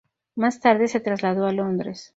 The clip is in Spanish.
Más tarde se trasladó a Londres.